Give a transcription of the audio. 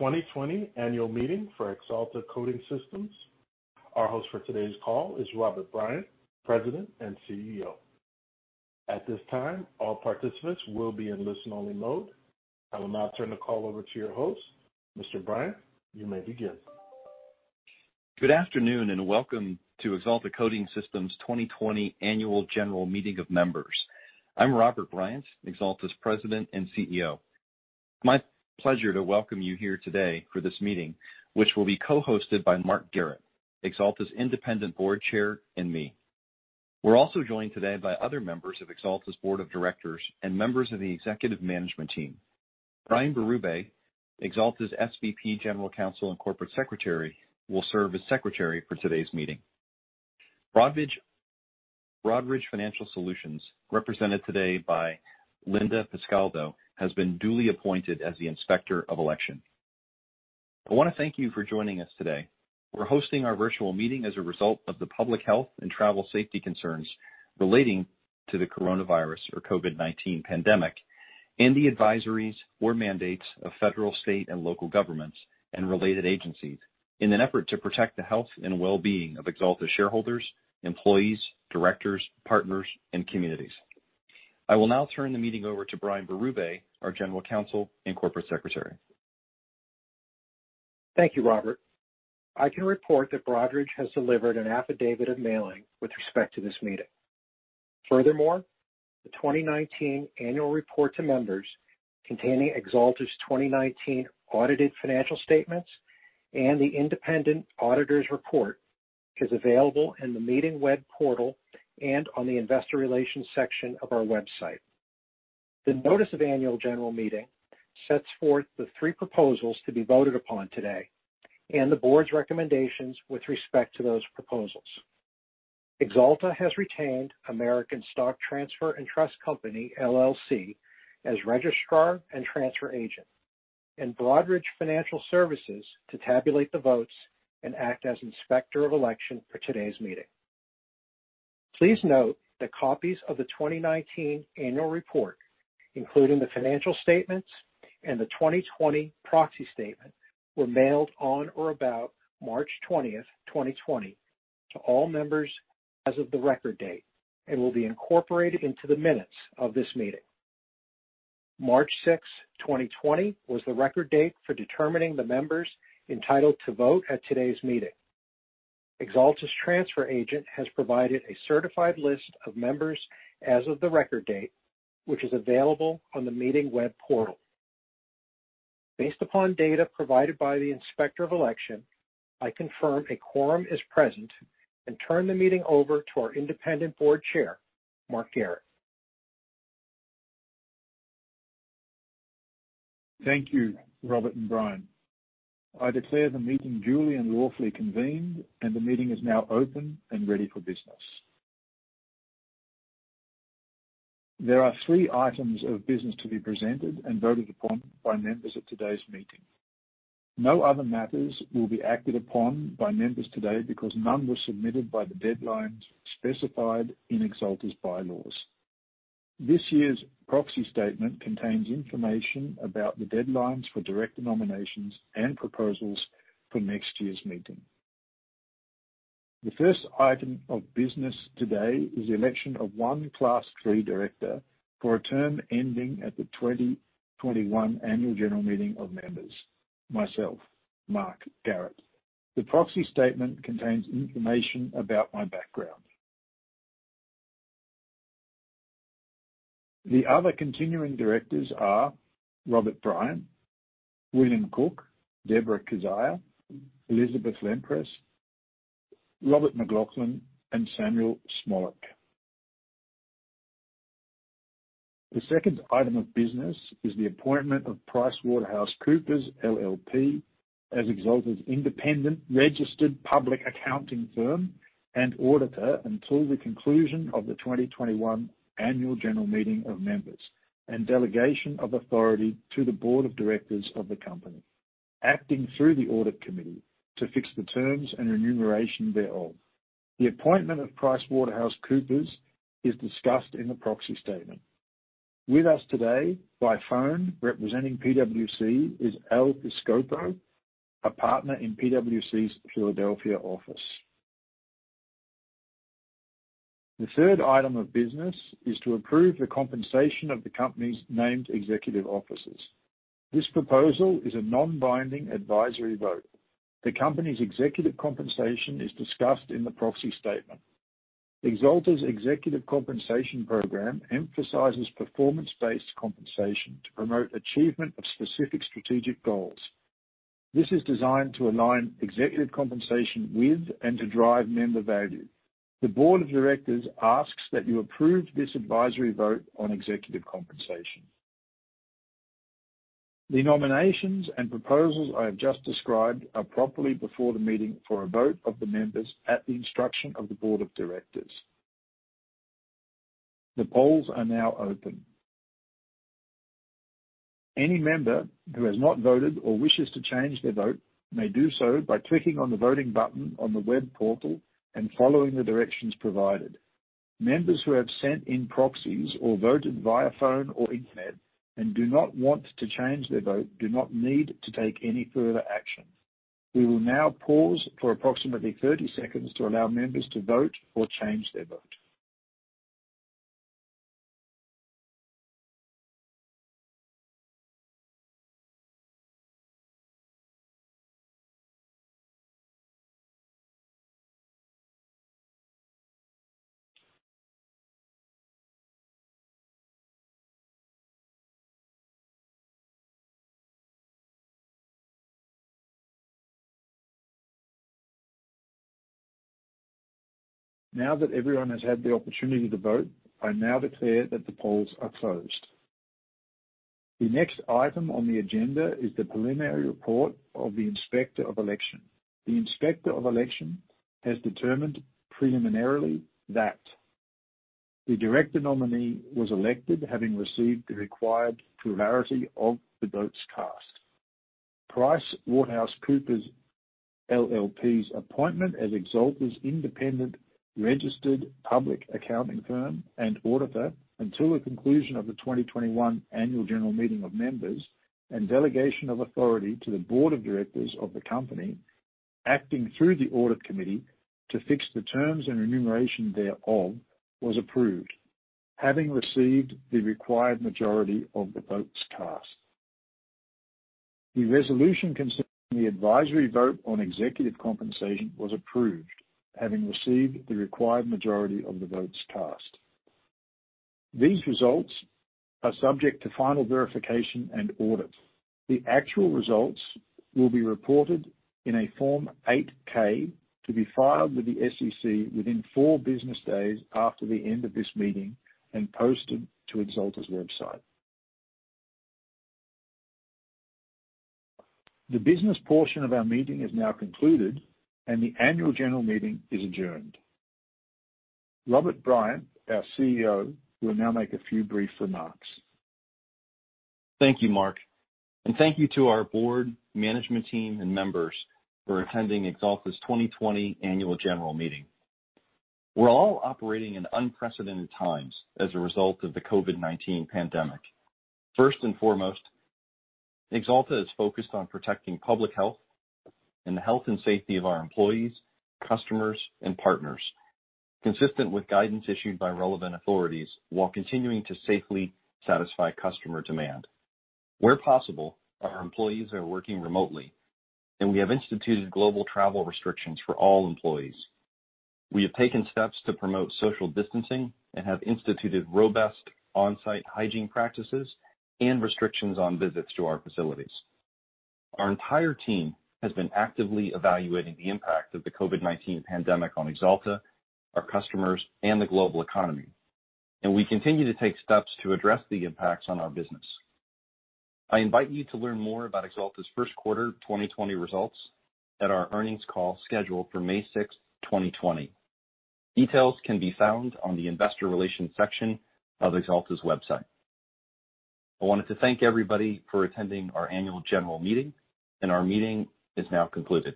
Welcome to the 2020 annual meeting for Axalta Coating Systems. Our host for today's call is Robert Bryant, President and CEO. At this time, all participants will be in listen-only mode. I will now turn the call over to your host. Mr. Bryant, you may begin. Good afternoon, and welcome to Axalta Coating Systems' 2020 Annual General Meeting of Members. I'm Robert Bryant, Axalta's President and CEO. It's my pleasure to welcome you here today for this meeting, which will be co-hosted by Mark Garrett, Axalta's Independent Board Chair, and me. We're also joined today by other members of Axalta's Board of Directors and members of the Executive Management Team. Brian Berube, Axalta's SVP, General Counsel, and Corporate Secretary, will serve as Secretary for today's meeting. Broadridge Financial Solutions, represented today by Linda Pasqualone, has been duly appointed as the Inspector of Election. I want to thank you for joining us today. We're hosting our virtual meeting as a result of the public health and travel safety concerns relating to the coronavirus or COVID-19 pandemic, and the advisories or mandates of federal, state, and local governments and related agencies in an effort to protect the health and wellbeing of Axalta shareholders, employees, directors, partners, and communities. I will now turn the meeting over to Brian Berube, our General Counsel and Corporate Secretary. Thank you, Robert. I can report that Broadridge has delivered an affidavit of mailing with respect to this meeting. Furthermore, the 2019 annual report to members containing Axalta's 2019 audited financial statements and the independent auditor's report is available in the meeting web portal and on the investor relations section of our website. The notice of annual general meeting sets forth the three proposals to be voted upon today and the board's recommendations with respect to those proposals. Axalta has retained American Stock Transfer & Trust Company, LLC, as registrar and transfer agent, and Broadridge Financial Solutions to tabulate the votes and act as inspector of election for today's meeting. Please note that copies of the 2019 annual report, including the financial statements and the 2020 proxy statement, were mailed on or about March 20th, 2020 to all members as of the record date and will be incorporated into the minutes of this meeting. March 6, 2020, was the record date for determining the members entitled to vote at today's meeting. Axalta's transfer agent has provided a certified list of members as of the record date, which is available on the meeting web portal. Based upon data provided by the Inspector of Election, I confirm a quorum is present and turn the meeting over to our Independent Board Chair, Mark Garrett. Thank you, Robert and Brian. I declare the meeting duly and lawfully convened, and the meeting is now open and ready for business. There are three items of business to be presented and voted upon by members at today's meeting. No other matters will be acted upon by members today because none were submitted by the deadlines specified in Axalta's bylaws. This year's proxy statement contains information about the deadlines for director nominations and proposals for next year's meeting. The first item of business today is the election of one Class 3 director for a term ending at the 2021 Annual General Meeting of Members, myself, Mark Garrett. The proxy statement contains information about my background. The other continuing directors are Robert Bryant, William Cook, Debra Keziah, Elizabeth Lempres, Robert McLaughlin, and Samuel Smolik. The second item of business is the appointment of PricewaterhouseCoopers LLP, as Axalta's independent registered public accounting firm and auditor until the conclusion of the 2021 Annual General Meeting of Members and delegation of authority to the Board of Directors of the company, acting through the audit committee to fix the terms and remuneration thereof. The appointment of PricewaterhouseCoopers is discussed in the proxy statement. With us today by phone representing PwC is Albert Piscopo, a partner in PwC's Philadelphia office. The third item of business is to approve the compensation of the company's named executive officers. This proposal is a non-binding advisory vote. The company's executive compensation is discussed in the proxy statement. Axalta's executive compensation program emphasizes performance-based compensation to promote achievement of specific strategic goals. This is designed to align executive compensation with and to drive member value. The Board of Directors asks that you approve this advisory vote on executive compensation. The nominations and proposals I have just described are properly before the meeting for a vote of the members at the instruction of the Board of Directors. The polls are now open. Any member who has not voted or wishes to change their vote may do so by clicking on the voting button on the web portal and following the directions provided. Members who have sent in proxies or voted via phone or internet and do not want to change their vote do not need to take any further action. We will now pause for approximately 30 seconds to allow members to vote or change their vote. Now that everyone has had the opportunity to vote, I now declare that the polls are closed. The next item on the agenda is the preliminary report of the Inspector of Election. The Inspector of Election has determined preliminarily that the director nominee was elected, having received the required plurality of the votes cast. PricewaterhouseCoopers LLP's appointment as Axalta's independent registered public accounting firm and auditor until the conclusion of the 2021 annual general meeting of members, and delegation of authority to the board of directors of the company, acting through the audit committee to fix the terms and remuneration thereof, was approved, having received the required majority of the votes cast. The resolution concerning the advisory vote on executive compensation was approved, having received the required majority of the votes cast. These results are subject to final verification and audit. The actual results will be reported in a Form 8-K to be filed with the SEC within four business days after the end of this meeting and posted to Axalta's website. The business portion of our meeting is now concluded, and the annual general meeting is adjourned. Robert Bryant, our CEO, will now make a few brief remarks. Thank you, Mark, and thank you to our board, management team, and members for attending Axalta's 2020 annual general meeting. We're all operating in unprecedented times as a result of the COVID-19 pandemic. First and foremost, Axalta is focused on protecting public health and the health and safety of our employees, customers, and partners, consistent with guidance issued by relevant authorities, while continuing to safely satisfy customer demand. Where possible, our employees are working remotely, and we have instituted global travel restrictions for all employees. We have taken steps to promote social distancing and have instituted robust on-site hygiene practices and restrictions on visits to our facilities. Our entire team has been actively evaluating the impact of the COVID-19 pandemic on Axalta, our customers, and the global economy, and we continue to take steps to address the impacts on our business. I invite you to learn more about Axalta's first quarter 2020 results at our earnings call scheduled for May 6th, 2020. Details can be found on the investor relations section of Axalta's website. I wanted to thank everybody for attending our annual general meeting, and our meeting is now concluded.